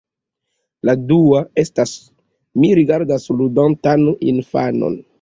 La dua estas: Mi rigardas ludantan infanon.